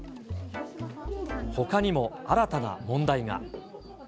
ほかにも新たな問題が。